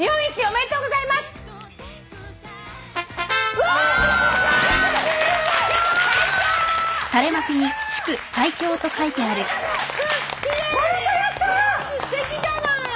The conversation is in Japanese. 上手すてきじゃない。